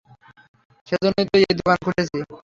সেজন্যই তো এই দোকান খুলেছি।